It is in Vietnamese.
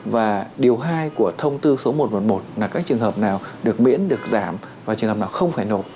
và điều hai của thông tư số một trăm một mươi một là các trường hợp nào được miễn được giảm và trường hợp nào không phải nộp